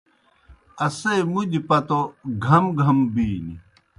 اسے مُدیْ پتو گھم گھم بِینیْ۔